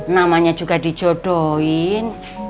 namanya juga dijodohin